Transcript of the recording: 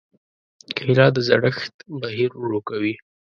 کېله د زړښت بهیر ورو کوي.